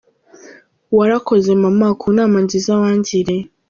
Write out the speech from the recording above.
Warakoze Mama ku nama nziza wangiriye.